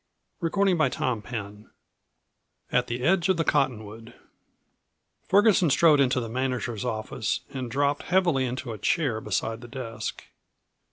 CHAPTER XXIII AT THE EDGE OF THE COTTONWOOD Ferguson strode into the manager's office and dropped heavily into a chair beside the desk.